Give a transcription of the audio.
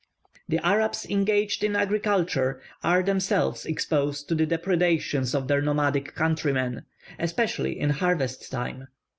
The Arabs engaged in agriculture are themselves exposed to the depredations of their nomadic countrymen, especially in harvest time.